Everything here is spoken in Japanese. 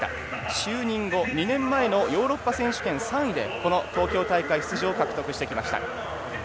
就任後、２年前のヨーロッパ選手権で東京大会出場を獲得してきました。